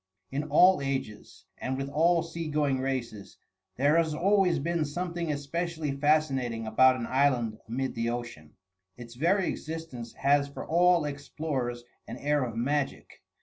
In all ages and with all sea going races there has always been something especially fascinating about an island amid the ocean. Its very existence has for all explorers an air of magic.